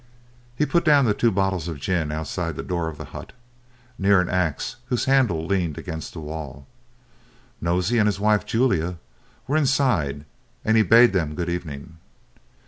He put down the two bottles of gin outside the door of the hut, near an axe whose handle leaned against the wall. Nosey and his wife, Julia, were inside, and he bade them good evening.